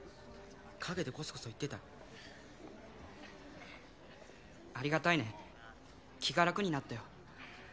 陰でコソコソ言ってたありがたいね気が楽になったよ